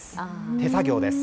手作業です。